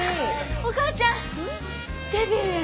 お母ちゃんデビューや。